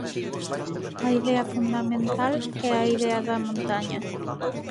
A idea fundamental é a idea da montaña.